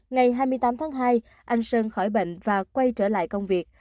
ngày hai mươi tám tháng hai anh sơn khỏi bệnh và quay trở lại công việc